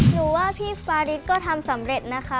หนูว่าพี่ฟาริสก็ทำสำเร็จนะคะ